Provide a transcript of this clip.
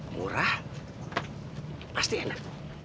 murah pasti enak